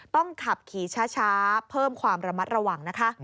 ต้องขับขี่ช้าเพิ่มความระมัดระวังนะคะ